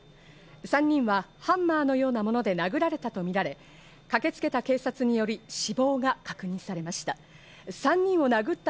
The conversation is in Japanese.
３人はハンマーのようなもので殴られたとみられ、駆けつけた警察により死亡が確認されました。